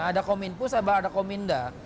ada kominfus ada kominda